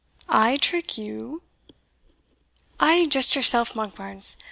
"I trick you!" "Ay, just yoursell, Monkbarns.